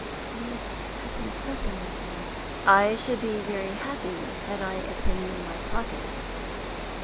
You must have some supper with me." "I should be very happy, had I a penny in my pocket."